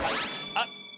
あっ。